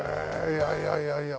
いやいやいやいや。